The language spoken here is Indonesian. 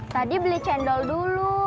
tadi beli cendol dulu